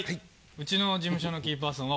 うちの事務所のキーパーソンは。